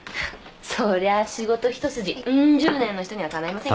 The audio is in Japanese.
そりゃあ仕事一筋うん十年の人にはかないませんけどね。